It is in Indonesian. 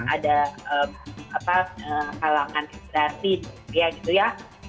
ada kalangan vibrasi gitu ya